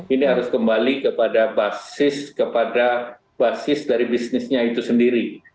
ini harus kembali kepada basis dari bisnisnya itu sendiri